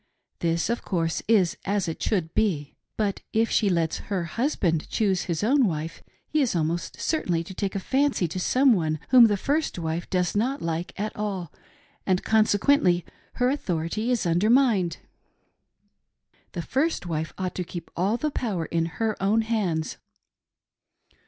This, of coui'se, is as it should be. But if she lets her husband choose his own wife, he is almost cer tain to take a fancy to some one whom the first wife does not like at all, and consequently her authority is undermined. The first wife ought to keep all the power in her own hands."